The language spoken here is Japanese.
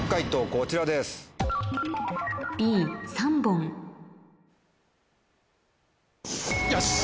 こちらですよし。